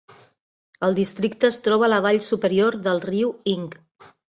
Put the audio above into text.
El districte es troba a la vall superior del riu Ing.